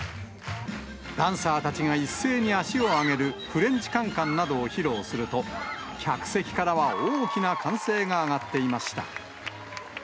ダンサーたちが一斉に足を上げるフレンチカンカンなどを披露すると、客席からは大きな歓声が上がっていました。